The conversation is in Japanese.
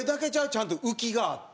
ちゃんと浮きがあって。